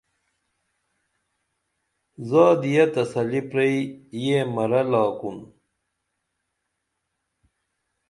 زادیہ تسلی پریئی یہ مرہ لاکُن